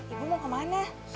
ibu mau ke mana